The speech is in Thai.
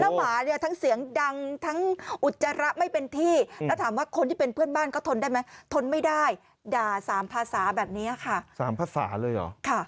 แล้วหมาเนี่ยทั้งเสียงดังทั้งอุจจาระไม่เป็นที่แล้วถามว่าคนที่เป็นเพื่อนบ้านเขาทนได้ไหมทนไม่ได้ด่าสามภาษาแบบนี้ค่ะ๓ภาษาเลยเหรอ